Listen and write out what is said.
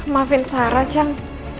maafin sarah cang